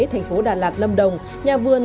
thành phố đà lạt lâm đồng nhà vườn